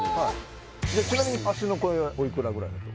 ちなみに足のこれはおいくらぐらいだと？